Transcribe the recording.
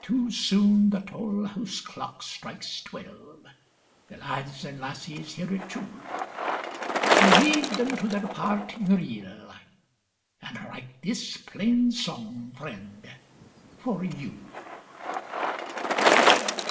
Too soon the tall house clock strikes twelve, The lads and lasses hear it too, I leave them to their parting reel, And write this plain song, friend, for you.